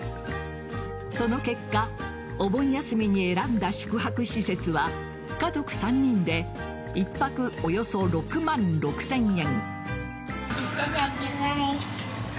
その結果お盆休みに選んだ宿泊施設は家族３人で１泊およそ６万６０００円。